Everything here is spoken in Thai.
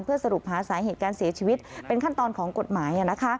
สรุปหาสาเหตุการเสียชีวิตเป็นขั้นตอนของกฎหมาย